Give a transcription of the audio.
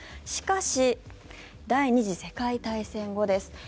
しかし、第２次世界大戦後です